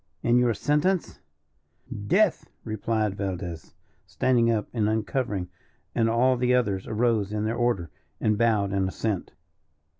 "And your sentence?" "Death!" replied Valdez, standing up and uncovering, and all the others arose in their order, and bowed in assent.